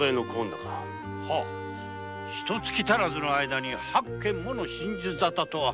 ひとつき足らずの間に八件の心中ざたとは！